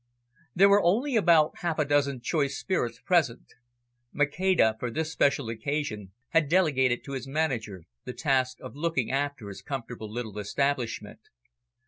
There were only about half a dozen choice spirits present. Maceda, for this special occasion, had delegated to his manager the task of looking after his comfortable little establishment.